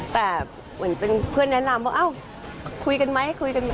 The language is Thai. แต่เหมือนเป็นเพื่อนแนะนำว่าเอ้าคุยกันไหมให้คุยกันไหม